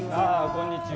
こんにちは。